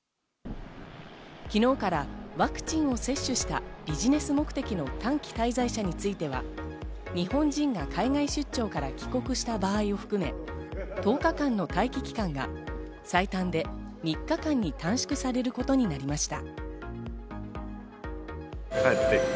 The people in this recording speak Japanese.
昨日からワクチンを接種したビジネス目的の短期滞在者については、日本人が海外出張から帰国した場合を含め、１０日間の待機期間が最短で３日間に短縮されることになりました。